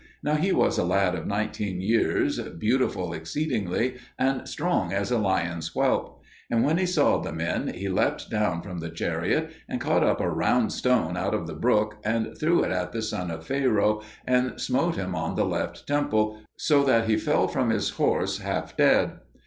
Now he was a lad of nineteen years, beautiful exceedingly, and strong as a lion's whelp. And when he saw the men, he leapt down from the chariot and caught up a round stone out of the brook and threw it at the son of Pharaoh, and smote him on the left temple, so that he fell from his horse half dead.